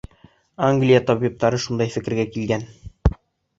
Англия табиптары шундай фекергә килгән.